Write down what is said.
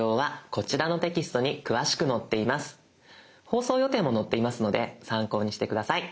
放送予定も載っていますので参考にして下さい。